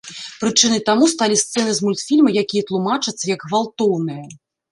Прычынай таму сталі сцэны з мультфільма, якія тлумачацца як гвалтоўныя.